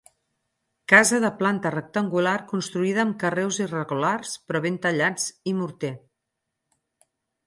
Casa de planta rectangular construïda amb carreus irregulars però ben tallats, i morter.